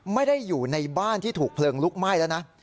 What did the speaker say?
ไม่ได้อยู่ในบ้านที่ถูกเพลิงลุกไหม้แล้วนะ